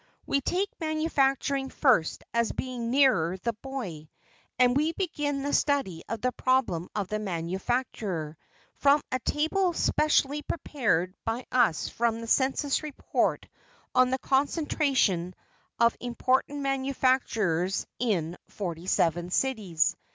We take manufacturing first as being nearer the boy, and we begin the study of the problem of the manufacturer, from a table specially prepared by us from the census report on the concentration of important manufactures in forty seven cities.